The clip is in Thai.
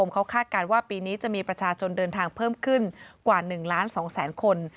เขาคาดการณ์ว่าปีนี้จะมีประชาชนเดินทางเพิ่มขึ้นกว่า๑ล้าน๒แสนคน